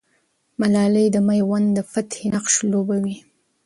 ملالۍ د مېوند د فتحې نقش لوبوي.